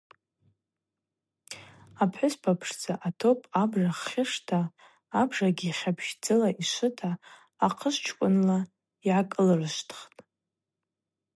Апхӏвыспа пшдза атоп абжа хьышта абжагьи хьапщдзыла йшвыта ахъышвчкӏвынла йгӏакӏылылршвтхтӏ.